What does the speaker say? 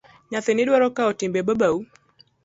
Nyathini idwaro kawo timbe babau.